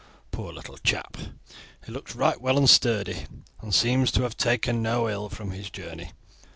Poor little chap! He looks right well and sturdy, and seems to have taken no ill from his journey."